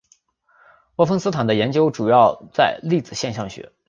沃芬斯坦的研究主要在粒子现象学。